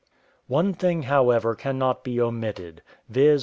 One thing, however, cannot be omitted, viz.